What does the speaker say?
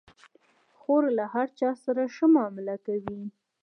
خور له هر چا سره ښه معامله کوي.